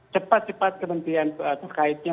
cepat cepat kementerian terkaitnya